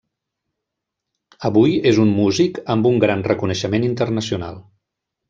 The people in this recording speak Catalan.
Avui és un músic amb un gran reconeixement internacional.